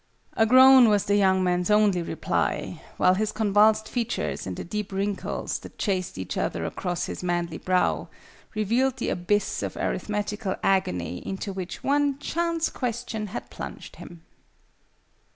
A groan was the young man's only reply; while his convulsed features and the deep wrinkles that chased each other across his manly brow, revealed the abyss of arithmetical agony into which one chance question had plunged him.